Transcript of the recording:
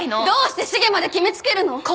どうして繁まで決めつけるの！？